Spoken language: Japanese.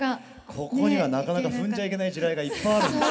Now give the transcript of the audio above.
ここにはなかなか踏んじゃいけない地雷がいっぱいあるんです。